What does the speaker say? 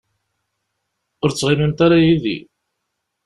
Ur ttɣimimt ara yid-i.